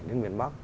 đến miền bắc